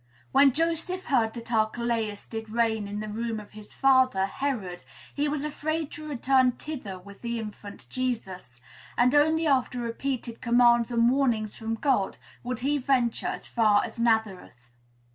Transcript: When Joseph "heard that Archelaus did reign in the room of his father, Herod, he was afraid to return thither with the infant Jesus," and only after repeated commands and warnings from God would he venture as far as Nazareth.